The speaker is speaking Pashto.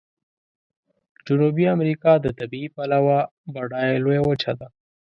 جنوبي امریکا د طبیعي پلوه بډایه لویه وچه ده.